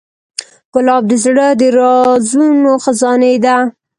ګلاب د زړه د رازونو خزانې ده.